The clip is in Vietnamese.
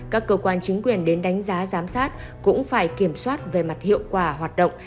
các cơ quan chính quyền đến đánh giá giám sát cũng phải kiểm soát về mặt hiệu quả hoạt động